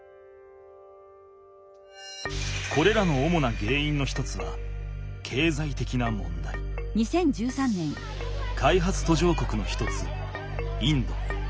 これらの主なげんいんの一つは開発途上国の一つインド。